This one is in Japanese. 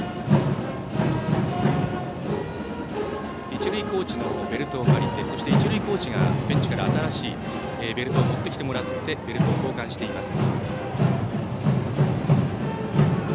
一塁コーチのベルトを借りて一塁コーチがベンチから新しいベルトを持ってきてもらってベルトを交換しています。